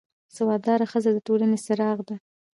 سواد داره ښځه د ټولنې څراغ ده